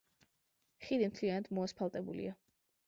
ხიდი მთლიანად მოასფალტებულია.